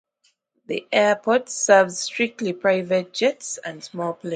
The airport serves strictly private jets and small planes.